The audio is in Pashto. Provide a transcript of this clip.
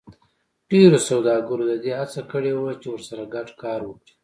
ډېرو سوداګرو د دې هڅه کړې وه چې ورسره ګډ کار وکړي